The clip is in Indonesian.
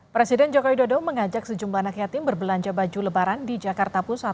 presiden jokowi dodo mengajak sejumlah anak yatim berbelanja baju lebaran di jakarta pusat